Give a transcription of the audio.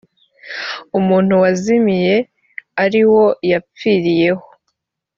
umuntu wazimiye ariwo yapfiriyeho